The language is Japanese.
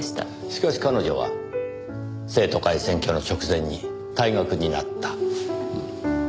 しかし彼女は生徒会選挙の直前に退学になった。